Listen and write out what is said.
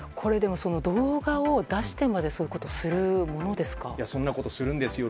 動画を出してまでそういうことをするものですか？